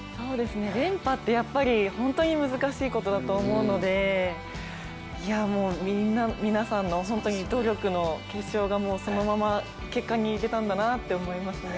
連覇ってやっぱり本当に難しいことだと思うので皆さんの努力の結晶が、そのまま、結果に出たんだなって思いました。